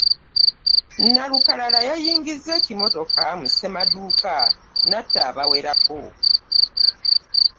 Nnalukala yayingiza ekimotoka mu ssemaduuka natta abawerako.